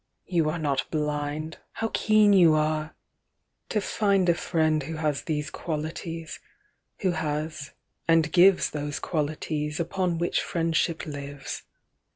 you are not blind! How keen you are!) To find a friend who has these qualities, Who has, and gives Those qualities upon which friendship lives.